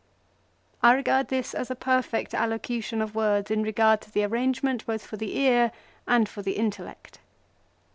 I regard this as a perfect allocution of words in regard to the arrangement both for the ear and for the intellect.